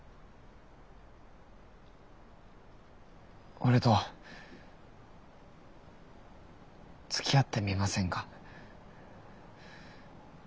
俺とつきあってみませんか？